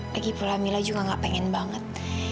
lagi pula mila juga gak pengen banget